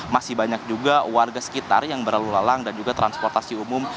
masih banyak juga warga sekitar yang berlalu lalang dan juga transportasi umum